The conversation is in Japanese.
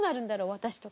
私とか。